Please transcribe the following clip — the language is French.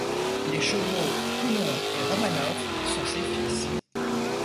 Les chevaux Toulon et Romanov sont ses fils.